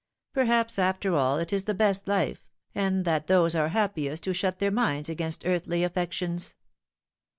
Perhaps after all it is the best life, and that those are happiest who shut their minds against earthly affections."